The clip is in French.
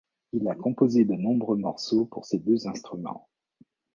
Il a composé de nombreux morceaux pour ces deux instruments.